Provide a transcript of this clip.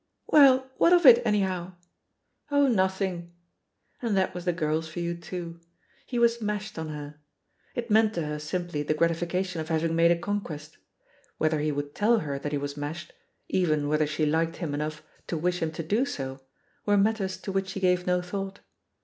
"Well, what of it anyhow?" "Oh, nothingl" And that was the girl's view too. He was "mashed on her." It meant to her simply the gratification of having made a conquest. Whether he would tell her that he was "mashed," even whether she liked him enough to wish him to do so, were matters to which she gave no thought.